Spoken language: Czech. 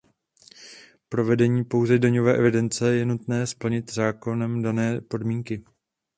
Pro vedení pouze daňové evidence je nutné splnit zákonem dané podmínky.